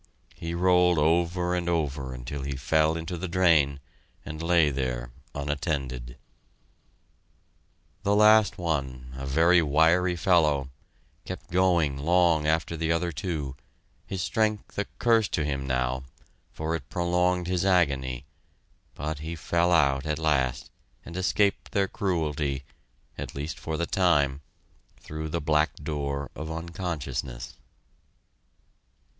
He rolled over and over until he fell into the drain, and lay there, unattended. The last one, a very wiry fellow, kept going long after the other two, his strength a curse to him now, for it prolonged his agony, but he fell out at last, and escaped their cruelty, at least for the time, through the black door of unconsciousness.